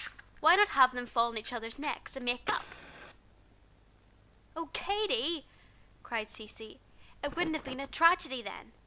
why not have them fall on each other's necks, and make up?" "Why, Katy!" cried Cecy, "it wouldn't have been a tragedy then.